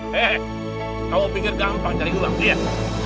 hehehe kamu pikir gampang cari uang lihat